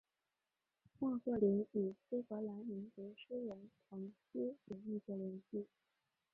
莫赫林与苏格兰民族诗人彭斯有密切关系。